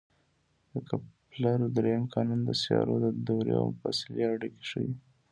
د کپلر درېیم قانون د سیارو د دورې او فاصلې اړیکې ښيي.